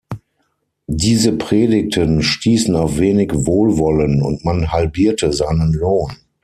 Diese Predigten stießen auf wenig Wohlwollen und man halbierte seinen Lohn.